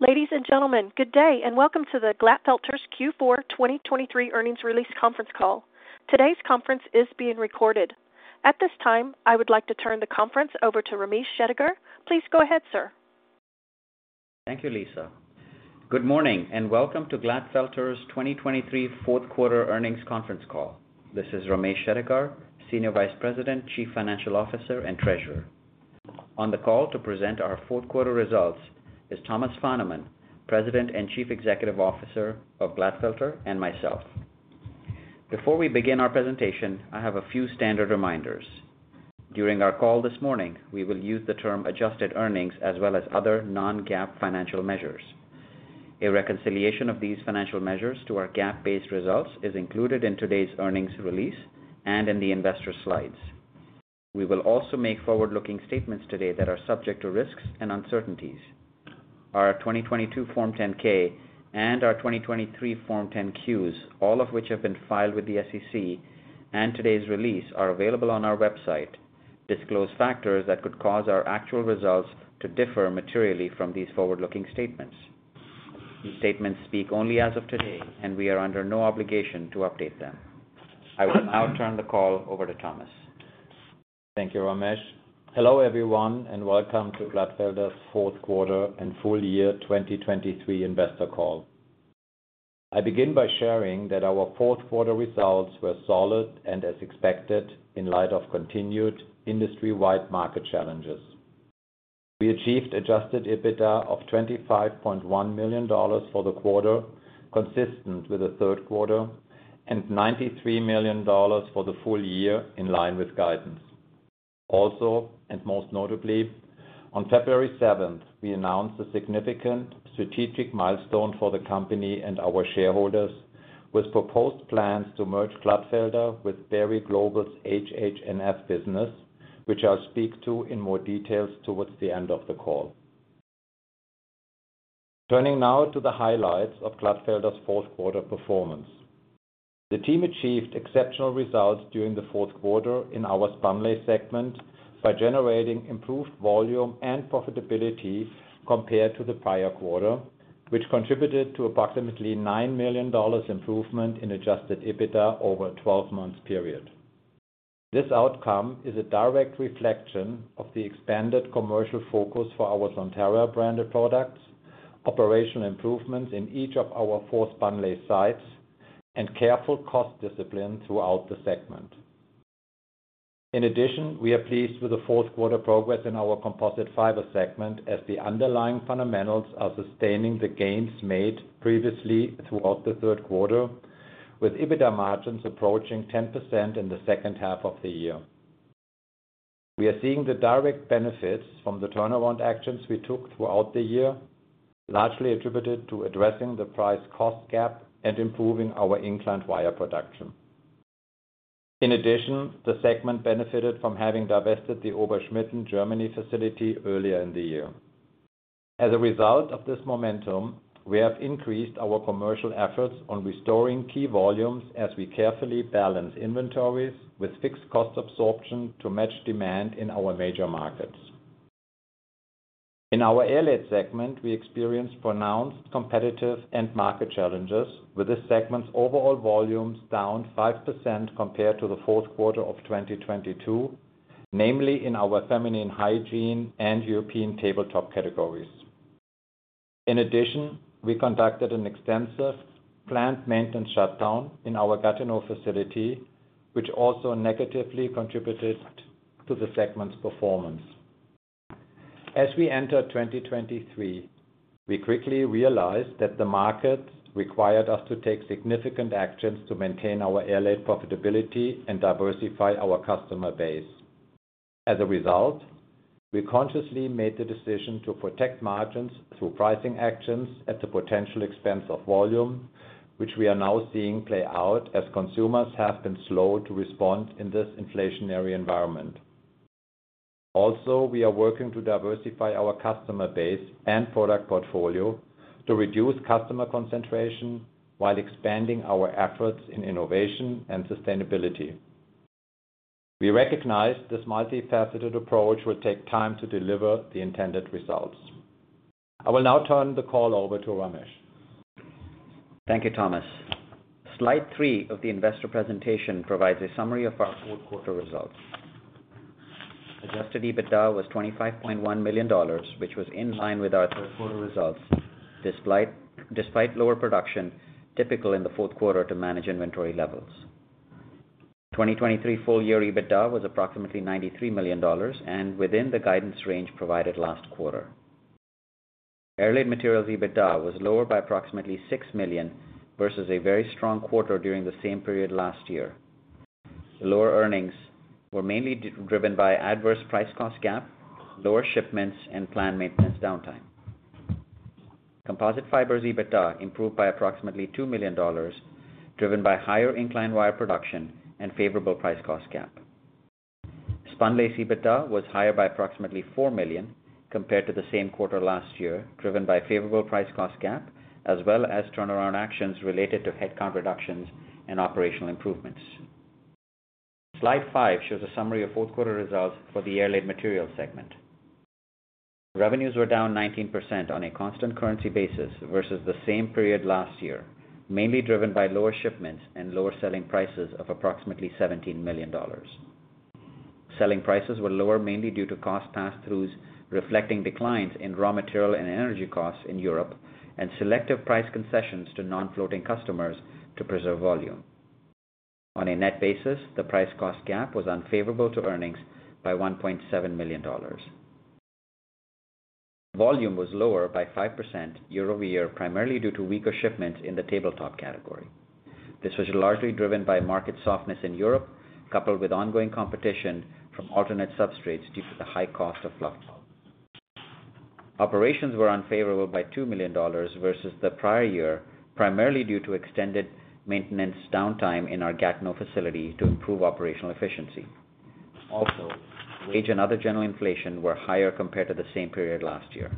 Ladies and gentlemen, good day and welcome to the Glatfelter's Q4 2023 earnings release conference call. Today's conference is being recorded. At this time, I would like to turn the conference over to Ramesh Shettigar. Please go ahead, sir. Thank you, Lisa. Good morning and welcome to Glatfelter's 2023 fourth quarter earnings conference call. This is Ramesh Shettigar, Senior Vice President, Chief Financial Officer, and Treasurer. On the call to present our fourth quarter results is Thomas Fahnemann, President and Chief Executive Officer of Glatfelter, and myself. Before we begin our presentation, I have a few standard reminders. During our call this morning, we will use the term "adjusted earnings" as well as other non-GAAP financial measures. A reconciliation of these financial measures to our GAAP-based results is included in today's earnings release and in the investor slides. We will also make forward-looking statements today that are subject to risks and uncertainties. Our 2022 Form 10-K and our 2023 Form 10-Qs, all of which have been filed with the SEC and today's release, are available on our website. Disclosed factors that could cause our actual results to differ materially from these forward-looking statements. These statements speak only as of today, and we are under no obligation to update them. I will now turn the call over to Thomas. Thank you, Ramesh. Hello everyone and welcome to Glatfelter's fourth quarter and full year 2023 investor call. I begin by sharing that our fourth quarter results were solid and as expected in light of continued industry-wide market challenges. We achieved Adjusted EBITDA of $25.1 million for the quarter, consistent with the third quarter, and $93 million for the full year in line with guidance. Also, and most notably, on February 7, we announced a significant strategic milestone for the company and our shareholders, with proposed plans to merge Glatfelter with Berry Global's HHNF business, which I'll speak to in more details towards the end of the call. Turning now to the highlights of Glatfelter's fourth quarter performance. The team achieved exceptional results during the fourth quarter in our spunlace segment by generating improved volume and profitability compared to the prior quarter, which contributed to approximately $9 million improvement in Adjusted EBITDA over a 12-month period. This outcome is a direct reflection of the expanded commercial focus for our Sontara branded products, operational improvements in each of our four spunlace sites, and careful cost discipline throughout the segment. In addition, we are pleased with the fourth quarter progress in our Composite Fibers segment as the underlying fundamentals are sustaining the gains made previously throughout the third quarter, with EBITDA margins approaching 10% in the second half of the year. We are seeing the direct benefits from the turnaround actions we took throughout the year, largely attributed to addressing the price-cost gap and improving our inclined wire production. In addition, the segment benefited from having divested the Ober-Schmitten, Germany, facility earlier in the year. As a result of this momentum, we have increased our commercial efforts on restoring key volumes as we carefully balance inventories with fixed cost absorption to match demand in our major markets. In our Airlaid segment, we experienced pronounced competitive end-market challenges, with this segment's overall volumes down 5% compared to the fourth quarter of 2022, namely in our feminine hygiene and European tabletop categories. In addition, we conducted an extensive plant maintenance shutdown in our Gatineau facility, which also negatively contributed to the segment's performance. As we entered 2023, we quickly realized that the markets required us to take significant actions to maintain our Airlaid profitability and diversify our customer base. As a result, we consciously made the decision to protect margins through pricing actions at the potential expense of volume, which we are now seeing play out as consumers have been slow to respond in this inflationary environment. Also, we are working to diversify our customer base and product portfolio to reduce customer concentration while expanding our efforts in innovation and sustainability. We recognize this multifaceted approach will take time to deliver the intended results. I will now turn the call over to Ramesh. Thank you, Thomas. Slide 3 of the investor presentation provides a summary of our fourth quarter results. Adjusted EBITDA was $25.1 million, which was in line with our third quarter results, despite lower production typical in the fourth quarter to manage inventory levels. 2023 full year EBITDA was approximately $93 million and within the guidance range provided last quarter. Airlaid materials EBITDA was lower by approximately $6 million versus a very strong quarter during the same period last year. The lower earnings were mainly driven by adverse price-cost gap, lower shipments, and planned maintenance downtime. Composite Fibers EBITDA improved by approximately $2 million, driven by higher inclined wire production and favorable price-cost gap. Spunlace EBITDA was higher by approximately $4 million compared to the same quarter last year, driven by favorable price-cost gap as well as turnaround actions related to headcount reductions and operational improvements. Slide 5 shows a summary of fourth quarter results for the Airlaid Materials segment. Revenues were down 19% on a constant currency basis versus the same period last year, mainly driven by lower shipments and lower selling prices of approximately $17 million. Selling prices were lower mainly due to cost pass-throughs reflecting declines in raw material and energy costs in Europe and selective price concessions to non-floating customers to preserve volume. On a net basis, the price-cost gap was unfavorable to earnings by $1.7 million. Volume was lower by 5% year-over-year, primarily due to weaker shipments in the tabletop category. This was largely driven by market softness in Europe, coupled with ongoing competition from alternate substrates due to the high cost of fluff pulp. Operations were unfavorable by $2 million versus the prior year, primarily due to extended maintenance downtime in our Gatineau facility to improve operational efficiency. Also, wage and other general inflation were higher compared to the same period last year.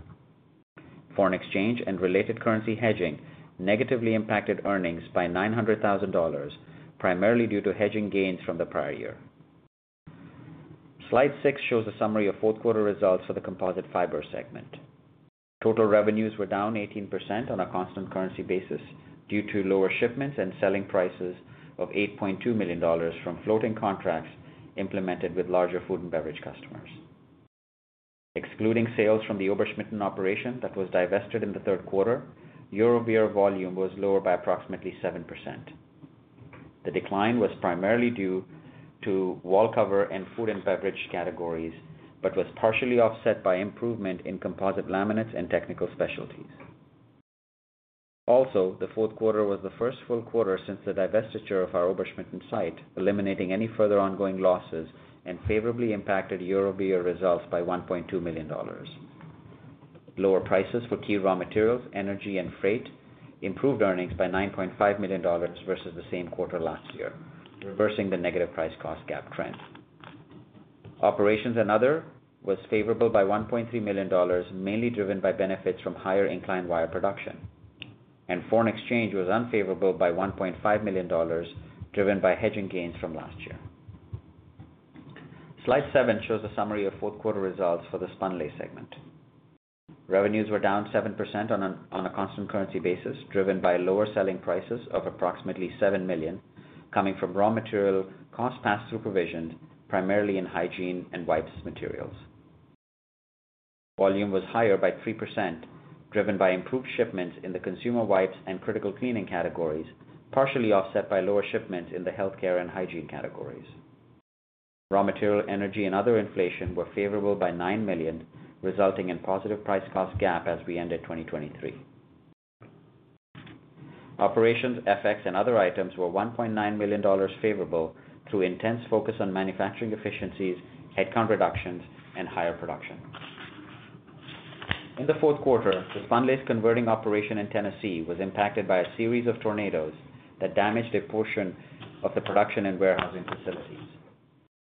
Foreign exchange and related currency hedging negatively impacted earnings by $900,000, primarily due to hedging gains from the prior year. Slide 6 shows a summary of fourth quarter results for the Composite Fibers segment. Total revenues were down 18% on a constant currency basis due to lower shipments and selling prices of $8.2 million from floating contracts implemented with larger food and beverage customers. Excluding sales from the Ober-Schmitten operation that was divested in the third quarter, year-over-year volume was lower by approximately 7%. The decline was primarily due to wall cover and food and beverage categories but was partially offset by improvement in composite laminates and technical specialties. Also, the fourth quarter was the first full quarter since the divestiture of our Ober-Schmitten site, eliminating any further ongoing losses and favorably impacted year-over-year results by $1.2 million. Lower prices for key raw materials, energy, and freight improved earnings by $9.5 million versus the same quarter last year, reversing the negative price-cost gap trend. Operations and other was favorable by $1.3 million, mainly driven by benefits from higher inclined wire production. And foreign exchange was unfavorable by $1.5 million, driven by hedging gains from last year. Slide 7 shows a summary of fourth quarter results for the Spunlace segment. Revenues were down 7% on a constant currency basis, driven by lower selling prices of approximately $7 million, coming from raw material cost pass-through provisions, primarily in hygiene and wipes materials. Volume was higher by 3%, driven by improved shipments in the consumer wipes and critical cleaning categories, partially offset by lower shipments in the healthcare and hygiene categories. Raw material, energy, and other inflation were favorable by $9 million, resulting in positive price-cost gap as we ended 2023. Operations, FX, and other items were $1.9 million favorable through intense focus on manufacturing efficiencies, headcount reductions, and higher production. In the fourth quarter, the spunlace converting operation in Tennessee was impacted by a series of tornadoes that damaged a portion of the production and warehousing facilities.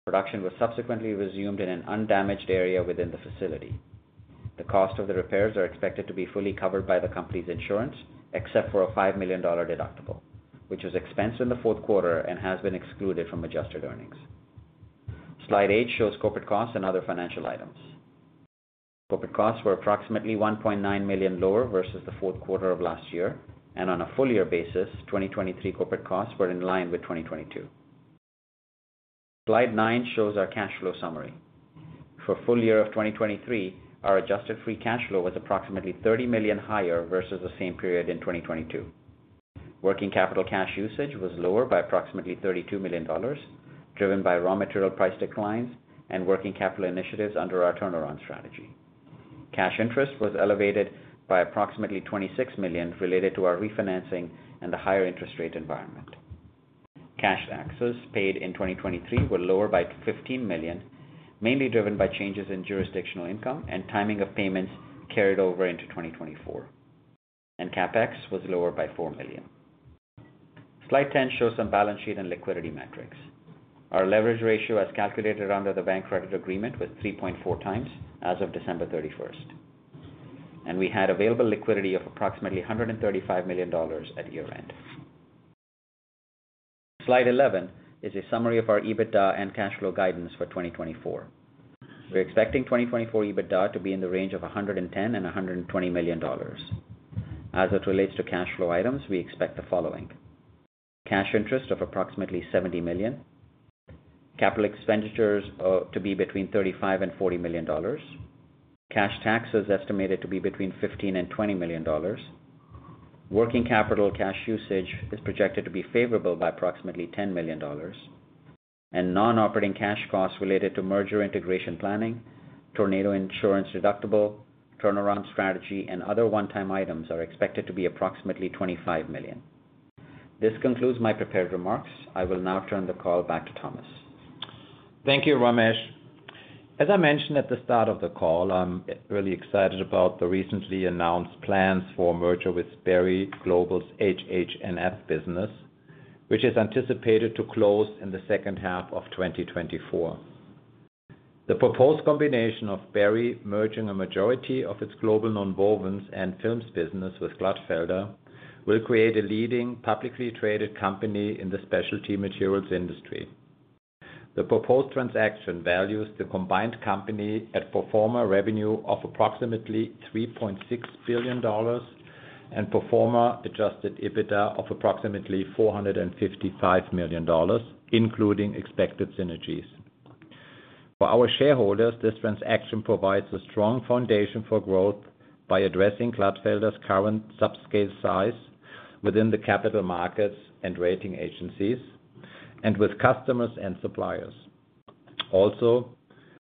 Production was subsequently resumed in an undamaged area within the facility. The cost of the repairs are expected to be fully covered by the company's insurance, except for a $5 million deductible, which was expensed in the fourth quarter and has been excluded from adjusted earnings. Slide 8 shows corporate costs and other financial items. Corporate costs were approximately $1.9 million lower versus the fourth quarter of last year, and on a full year basis, 2023 corporate costs were in line with 2022. Slide 9 shows our cash flow summary. For full year of 2023, our adjusted free cash flow was approximately $30 million higher versus the same period in 2022. Working capital cash usage was lower by approximately $32 million, driven by raw material price declines and working capital initiatives under our turnaround strategy. Cash interest was elevated by approximately $26 million related to our refinancing and the higher interest rate environment. Cash taxes paid in 2023 were lower by $15 million, mainly driven by changes in jurisdictional income and timing of payments carried over into 2024. CapEx was lower by $4 million. Slide 10 shows some balance sheet and liquidity metrics. Our leverage ratio, as calculated under the bank credit agreement, was 3.4 times as of December 31st. We had available liquidity of approximately $135 million at year-end. Slide 11 is a summary of our EBITDA and cash flow guidance for 2024. We're expecting 2024 EBITDA to be in the range of $110-$120 million. As it relates to cash flow items, we expect the following: cash interest of approximately $70 million, capital expenditures to be between $35-$40 million, cash taxes estimated to be between $15-$20 million, working capital cash usage is projected to be favorable by approximately $10 million, and non-operating cash costs related to merger integration planning, tornado insurance deductible, turnaround strategy, and other one-time items are expected to be approximately $25 million. This concludes my prepared remarks. I will now turn the call back to Thomas. Thank you, Ramesh. As I mentioned at the start of the call, I'm really excited about the recently announced plans for merger with Berry Global's HHNF business, which is anticipated to close in the second half of 2024. The proposed combination of Berry merging a majority of its global nonwovens and films business with Glatfelter will create a leading publicly traded company in the specialty materials industry. The proposed transaction values the combined company at pro forma revenue of approximately $3.6 billion and pro forma adjusted EBITDA of approximately $455 million, including expected synergies. For our shareholders, this transaction provides a strong foundation for growth by addressing Glatfelter's current subscale size within the capital markets and rating agencies and with customers and suppliers. Also,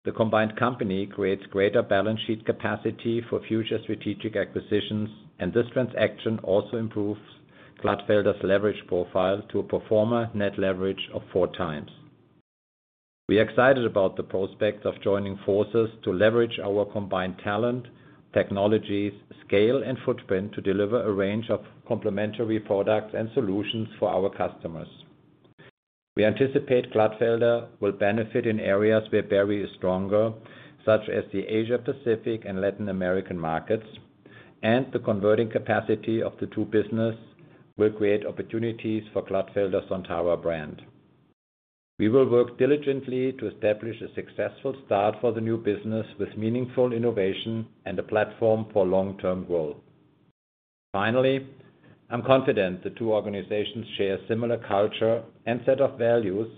the combined company creates greater balance sheet capacity for future strategic acquisitions, and this transaction also improves Glatfelter's leverage profile to a pro forma net leverage of four times. We are excited about the prospects of joining forces to leverage our combined talent, technologies, scale, and footprint to deliver a range of complementary products and solutions for our customers. We anticipate Glatfelter will benefit in areas where Berry is stronger, such as the Asia-Pacific and Latin American markets, and the converting capacity of the two businesses will create opportunities for Glatfelter's Sontara brand. We will work diligently to establish a successful start for the new business with meaningful innovation and a platform for long-term growth. Finally, I'm confident the two organizations share a similar culture and set of values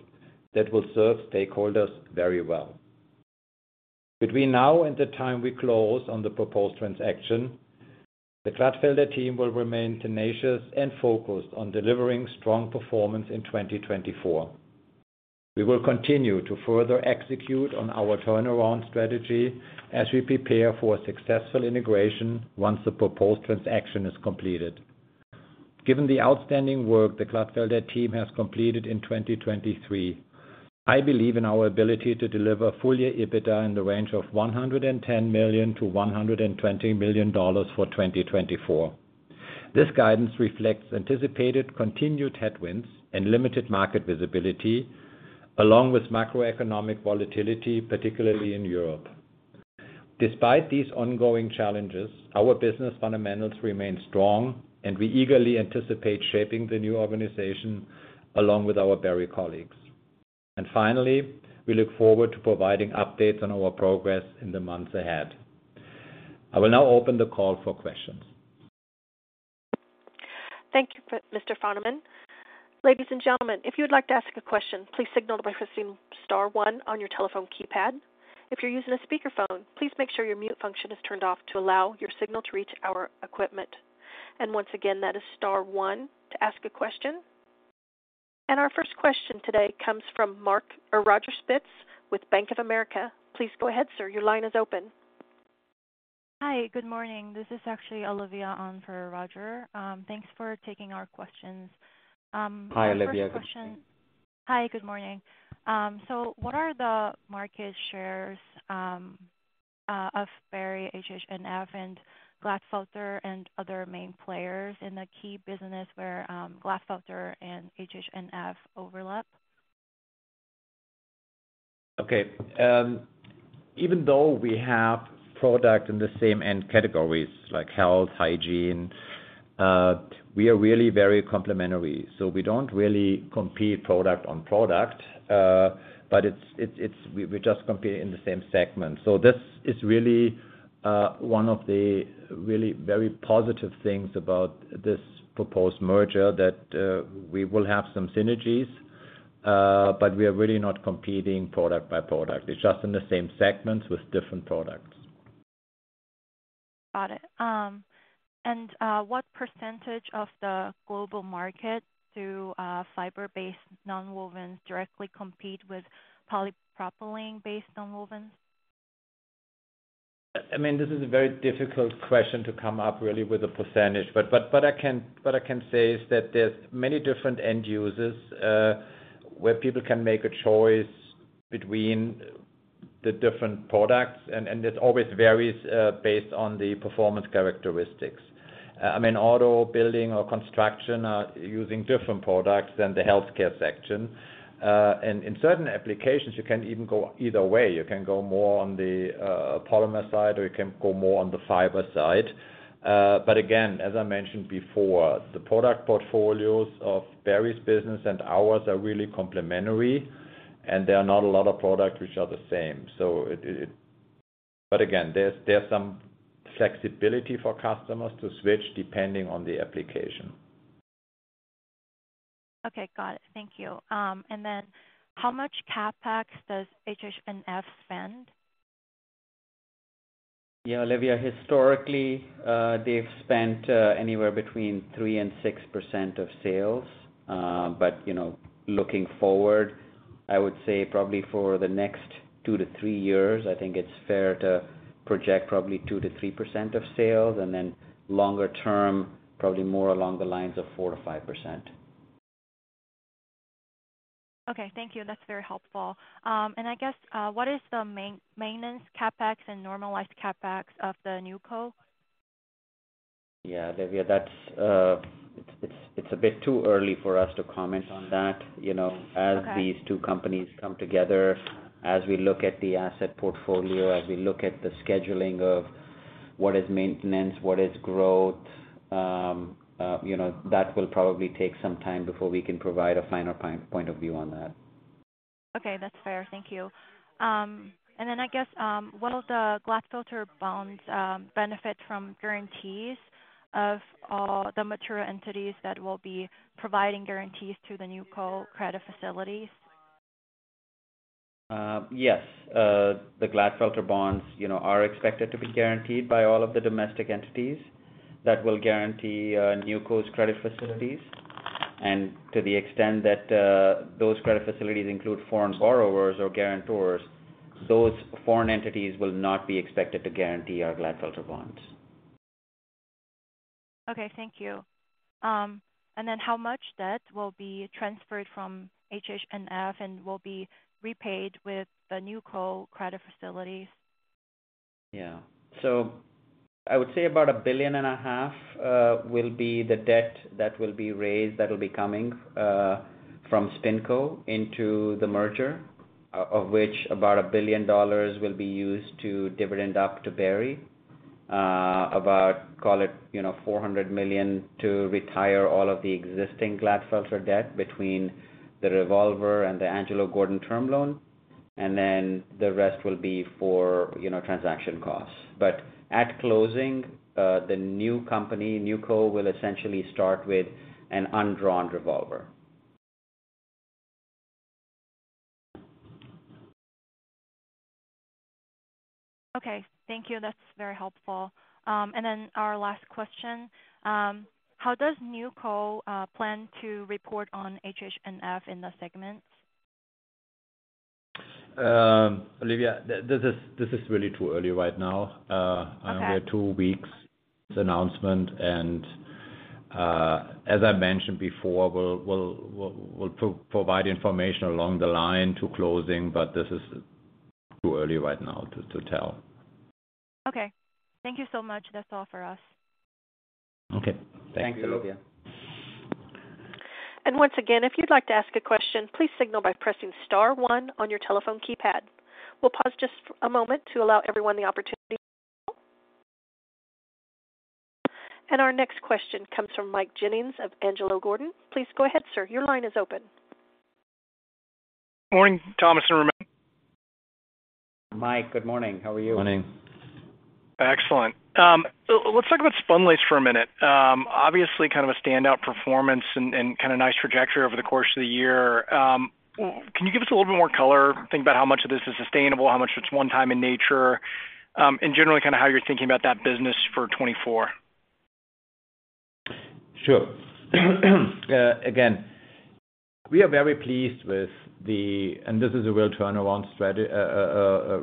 that will serve stakeholders very well. Between now and the time we close on the proposed transaction, the Glatfelter team will remain tenacious and focused on delivering strong performance in 2024. We will continue to further execute on our turnaround strategy as we prepare for a successful integration once the proposed transaction is completed. Given the outstanding work the Glatfelter team has completed in 2023, I believe in our ability to deliver full year EBITDA in the range of $110 million-$120 million for 2024. This guidance reflects anticipated continued headwinds and limited market visibility, along with macroeconomic volatility, particularly in Europe. Despite these ongoing challenges, our business fundamentals remain strong, and we eagerly anticipate shaping the new organization along with our Berry colleagues. Finally, we look forward to providing updates on our progress in the months ahead. I will now open the call for questions. Thank you, Mr. Fahnemann. Ladies and gentlemen, if you would like to ask a question, please signal the requesting star one on your telephone keypad. If you're using a speakerphone, please make sure your mute function is turned off to allow your signal to reach our equipment. And once again, that is star one to ask a question. And our first question today comes from Roger Spitz with Bank of America. Please go ahead, sir. Your line is open. Hi. Good morning. This is actually Olivia on for Roger. Thanks for taking our questions. Hi, Olivia. Good morning. Hi. Good morning. So what are the market shares of Berry, HHNF, and Glatfelter and other main players in the key business where Glatfelter and HHNF overlap? Okay. Even though we have product in the same end categories like health, hygiene, we are really very complementary. So we don't really compete product on product, but we're just competing in the same segment. So this is really one of the really very positive things about this proposed merger that we will have some synergies, but we are really not competing product by product. It's just in the same segments with different products. Got it. And what percentage of the global market do fiber-based nonwovens directly compete with polypropylene-based nonwovens? I mean, this is a very difficult question to come up, really, with a percentage. But what I can say is that there's many different end users where people can make a choice between the different products, and it always varies based on the performance characteristics. I mean, auto building or construction are using different products than the healthcare section. And in certain applications, you can even go either way. You can go more on the polymer side or you can go more on the fiber side. But again, as I mentioned before, the product portfolios of Berry's business and ours are really complementary, and there are not a lot of products which are the same. But again, there's some flexibility for customers to switch depending on the application. Okay. Got it. Thank you. And then how much CapEx does HHNF spend? Yeah, Olivia, historically, they've spent anywhere between 3%-6% of sales. But looking forward, I would say probably for the next two-three years, I think it's fair to project probably 2%-3% of sales, and then longer term, probably more along the lines of 4%-5%. Okay. Thank you. That's very helpful. And I guess, what is the maintenance CapEx and normalized CapEx of the NewCo? Yeah, Olivia, it's a bit too early for us to comment on that. As these two companies come together, as we look at the asset portfolio, as we look at the scheduling of what is maintenance, what is growth, that will probably take some time before we can provide a finer point of view on that. Okay. That's fair. Thank you. And then I guess, will the Glatfelter bonds benefit from guarantees of the mature entities that will be providing guarantees to the newco credit facilities? Yes. The Glatfelter bonds are expected to be guaranteed by all of the domestic entities that will guarantee newCo.'s credit facilities. To the extent that those credit facilities include foreign borrowers or guarantors, those foreign entities will not be expected to guarantee our Glatfelter bonds. Okay. Thank you. And then how much debt will be transferred from HHNF and will be repaid with the NewCo credit facilities? Yeah. So I would say about $1.5 billion will be the debt that will be raised that will be coming from SpinCo into the merger, of which about $1 billion will be used to dividend up to Berry, about, call it, $400 million to retire all of the existing Glatfelter debt between the revolver and the Angelo Gordon term loan, and then the rest will be for transaction costs. But at closing, the new company, newCo, will essentially start with an undrawn revolver. Okay. Thank you. That's very helpful. And then our last question, how does NewCo plan to report on HHNF in the segments? Olivia, this is really too early right now. We're two weeks. Announcement. As I mentioned before, we'll provide information along the line to closing, but this is too early right now to tell. Okay. Thank you so much. That's all for us. Okay. Thank you, Olivia. Thank you. And once again, if you'd like to ask a question, please signal by pressing star one on your telephone keypad. We'll pause just a moment to allow everyone the opportunity to. And our next question comes from Mike Ginnings of Angelo Gordon. Please go ahead, sir. Your line is open. Morning, Thomas and Ramesh. Mike, good morning. How are you? Morning. Excellent. Let's talk about Spunlace for a minute. Obviously, kind of a standout performance and kind of nice trajectory over the course of the year. Can you give us a little bit more color, think about how much of this is sustainable, how much it's one-time in nature, and generally kind of how you're thinking about that business for 2024? Sure. Again, we are very pleased with the and this is a real turnaround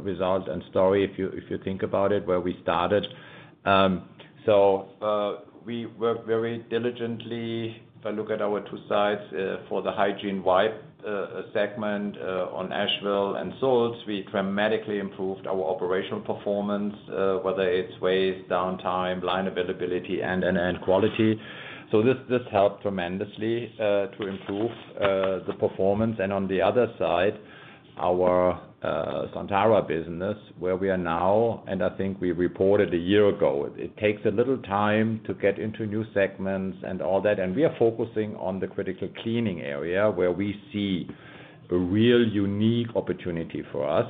result and story if you think about it where we started. So we work very diligently, if I look at our two sides, for the hygiene wipe segment on Asheville and Soultz. We dramatically improved our operational performance, whether it's waste, downtime, line availability, and end-to-end quality. So this helped tremendously to improve the performance. And on the other side, our Sontara business, where we are now, and I think we reported a year ago, it takes a little time to get into new segments and all that. And we are focusing on the critical cleaning area where we see a real unique opportunity for us.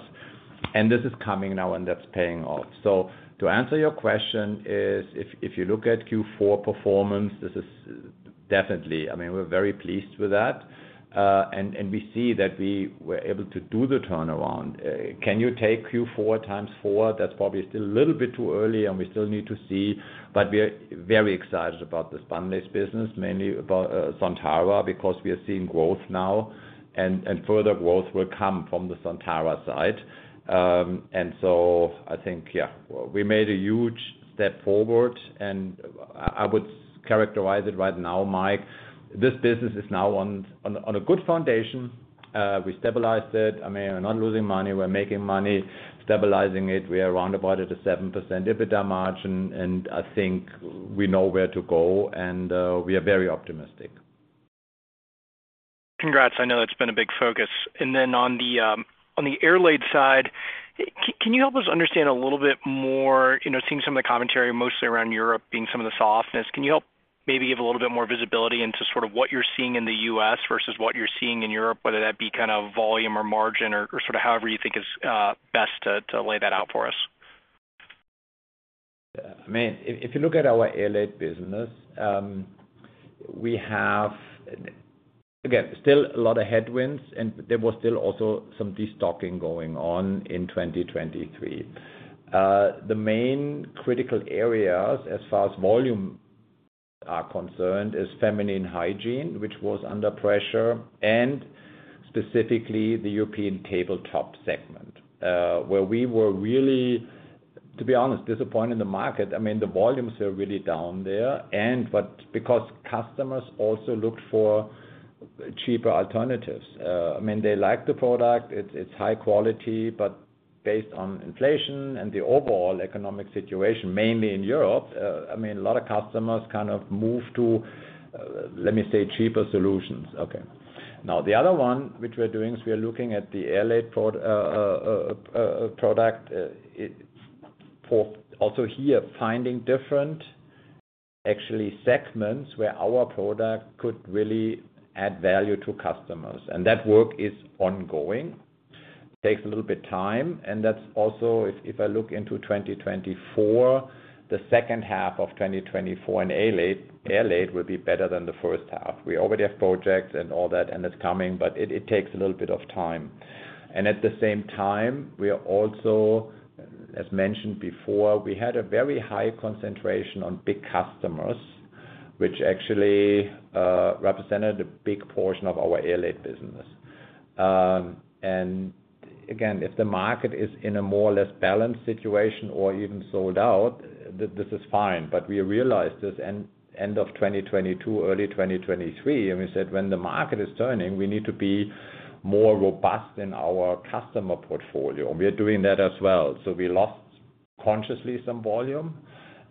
And this is coming now, and that's paying off. So, to answer your question, if you look at Q4 performance, this is definitely—I mean, we're very pleased with that. We see that we were able to do the turnaround. Can you take Q4 times four? That's probably still a little bit too early, and we still need to see. But we are very excited about the Spunlace business, mainly about Sontara, because we are seeing growth now, and further growth will come from the Sontara side. So I think, yeah, we made a huge step forward. I would characterize it right now, Mike, this business is now on a good foundation. We stabilized it. I mean, we're not losing money. We're making money, stabilizing it. We are roundabout at a 7% EBITDA margin, and I think we know where to go, and we are very optimistic. Congrats. I know that's been a big focus. And then on the airlaid side, can you help us understand a little bit more seeing some of the commentary, mostly around Europe being some of the softness, can you help maybe give a little bit more visibility into sort of what you're seeing in the U.S. versus what you're seeing in Europe, whether that be kind of volume or margin or sort of however you think is best to lay that out for us? I mean, if you look at our airlaid business, we have, again, still a lot of headwinds, and there was still also some destocking going on in 2023. The main critical areas, as far as volume are concerned, is feminine hygiene, which was under pressure, and specifically the European tabletop segment, where we were really, to be honest, disappointed in the market. I mean, the volumes were really down there. And because customers also looked for cheaper alternatives, I mean, they like the product. It's high quality, but based on inflation and the overall economic situation, mainly in Europe, I mean, a lot of customers kind of move to, let me say, cheaper solutions. Okay. Now, the other one which we're doing is we are looking at the airlaid product for also here, finding different, actually, segments where our product could really add value to customers. That work is ongoing. It takes a little bit time. That's also, if I look into 2024, the second half of 2024 in airlaid will be better than the first half. We already have projects and all that, and it's coming, but it takes a little bit of time. At the same time, we are also, as mentioned before, we had a very high concentration on big customers, which actually represented a big portion of our airlaid business. Again, if the market is in a more or less balanced situation or even sold out, this is fine. But we realized this end of 2022, early 2023, and we said, "When the market is turning, we need to be more robust in our customer portfolio." We are doing that as well. So we lost consciously some volume,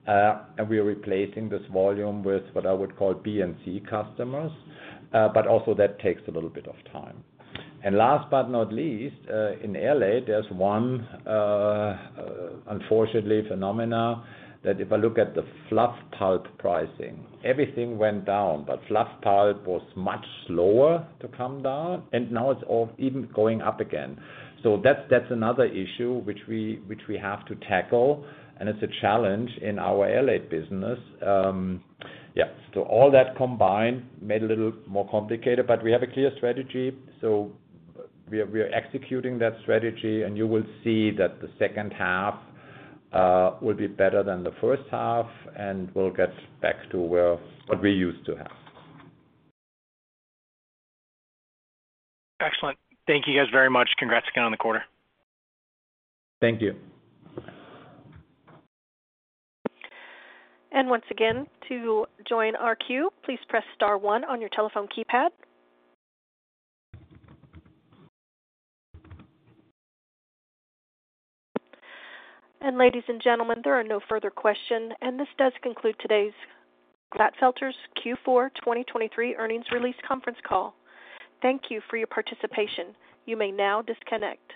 and we are replacing this volume with what I would call B and C customers. But also, that takes a little bit of time. And last but not least, in airlaid, there's one, unfortunately, phenomena that if I look at the fluff pulp pricing, everything went down, but fluff pulp was much slower to come down, and now it's even going up again. So that's another issue which we have to tackle, and it's a challenge in our airlaid business. Yeah. So all that combined made it a little more complicated, but we have a clear strategy. So we are executing that strategy, and you will see that the second half will be better than the first half and will get back to what we used to have. Excellent. Thank you guys very much. Congrats again on the quarter. Thank you. Once again, to join our queue, please press star one on your telephone keypad. Ladies and gentlemen, there are no further questions. This does conclude today's Glatfelter's Q4 2023 earnings release conference call. Thank you for your participation. You may now disconnect.